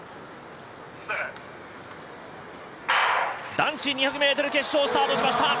男子２００ｍ決勝スタートしました。